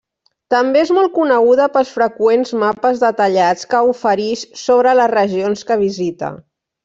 També és molt coneguda pels freqüents mapes detallats que oferix sobre les regions que visita.